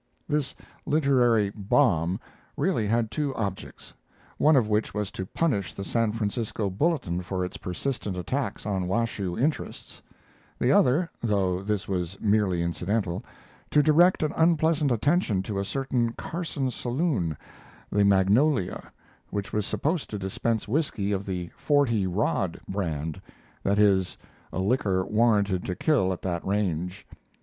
This literary bomb really had two objects, one of which was to punish the San Francisco Bulletin for its persistent attacks on Washoe interests; the other, though this was merely incidental, to direct an unpleasant attention to a certain Carson saloon, the Magnolia, which was supposed to dispense whisky of the "forty rod" brand that is, a liquor warranted to kill at that range.